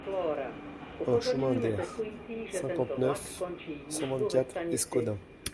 un chemin d'ERRE, cinquante-neuf, cent vingt-quatre, Escaudain